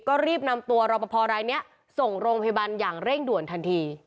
ก็รีบนำตัวรอปภรายนี้ส่งโรงพยาบาลอย่างเร่งด่วนทันที